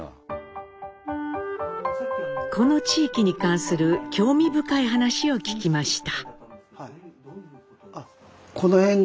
この地域に関する興味深い話を聞きました。